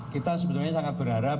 kita sebenarnya sangat berharap